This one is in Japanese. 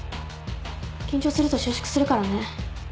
緊張すると収縮するからね。